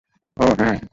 অহ, হ্যাঁ।